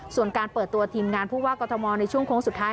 ส่วนการเปิดตัวทีมงานผู้ว่ากรทมในช่วงโค้งสุดท้าย